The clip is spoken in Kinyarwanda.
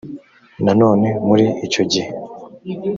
nanone muri icyo gihe